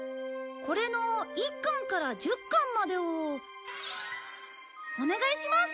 これの１巻から１０巻までをお願いします！